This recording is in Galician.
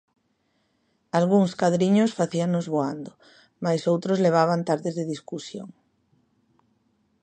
Algúns cadriños facíanos voando, mais outros levaban tardes de discusión.